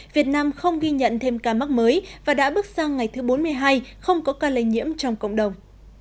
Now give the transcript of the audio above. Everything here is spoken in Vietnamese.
việt nam không ghi nhận thêm ca mắc mới và đã bước sang ngày thứ bốn mươi hai không có ca lây nhiễm trong cộng đồng